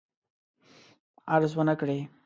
غرض ونه کړي.